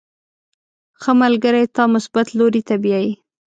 • ښه ملګری تا مثبت لوري ته بیایي.